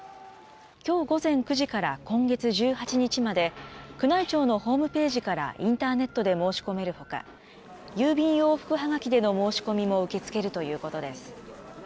きょう午前９時から今月１８日まで、宮内庁のホームページからインターネットで申し込めるほか、郵便往復はがきでの申し込みも受け付けるということです。